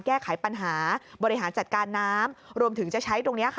แก้ไขปัญหาบริหารจัดการน้ำรวมถึงจะใช้ตรงนี้ค่ะ